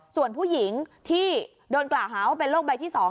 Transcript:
ส่วนผู้หญิงที่โดนกล่าวหาว่าเป็นโรคใบที่๒